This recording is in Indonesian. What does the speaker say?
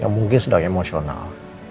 yang mungkin sedang emosional